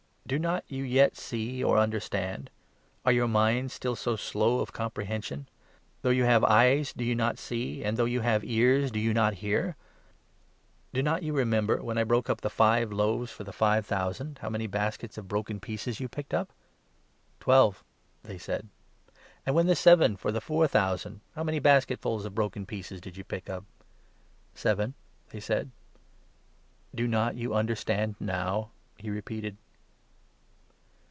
Do not you yet see or understand ? Are your minds still so slow of comprehension ?' Though you have eyes, do you not see ? and though you have ears, do you not hear ?' Do not you remember, when I broke up the five loaves for the five thou sand, how many baskets of broken pieces you picked up ?" "Twelve," they said. " And when the seven for the four thousand, how many basketfuls of broken pieces did you pick up ?"" Seven," they said. " Do not you understand now ?" he repeated.